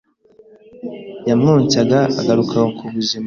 Yamwonsaga agaruka ku buzima.